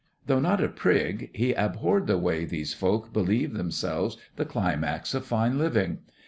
Though not a prig, he abhorred the way these folk believed themselves the climax of fine living.